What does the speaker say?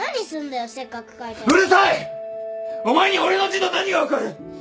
お前に俺の字の何が分かる！